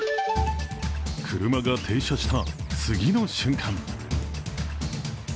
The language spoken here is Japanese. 車が停車した次の瞬間。